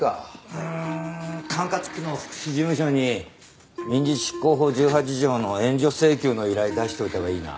うーん管轄区の福祉事務所に民事執行法１８条の援助請求の依頼出しといたほうがいいな。